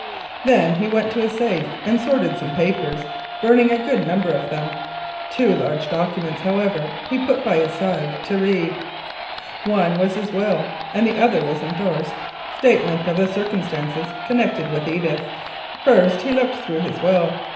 Then he went to his safe and sorted some papers, burning a good number of them. Two large documents, however, he put by his side to read. One was his will, the other was endorsed "Statement of the circumstances connected with Edith." First he looked through his will.